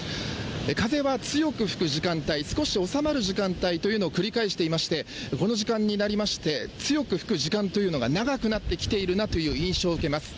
風は強く吹く時間帯、少し収まる時間帯というのを繰り返していまして、この時間になりまして、強く吹く時間というのが長くなってきているなという印象を受けます。